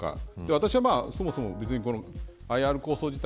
私はそもそも別にＩＲ構想自体